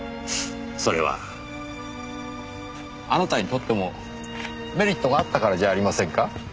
それはあなたにとってもメリットがあったからじゃありませんか？